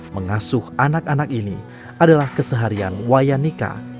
mengasuh anak anak ini adalah keseharian wayanika